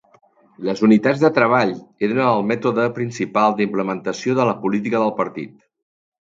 Les unitats de treball eren el mètode principal d'implementació de la política del partit.